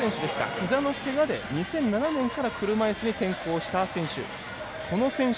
ひざのけがで２００７年から車いすに転向した選手。